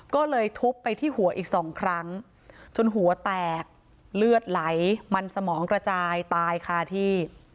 ก็เลยทุบไปที่หัวอีกสองครั้งจนหัวแตกเลือดไหลมันสมองกระจายตายค่ะที่